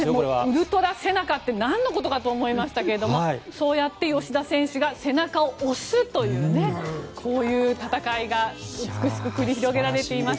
ウルトラ背中ってなんのことかと思いましたがそうやって吉田選手が背中を押すというこういう戦いが美しく繰り広げられています。